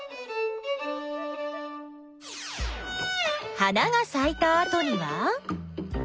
花がさいたあとには？